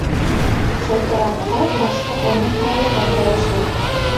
Шылтыратһа, башта уның һаулығын һораша.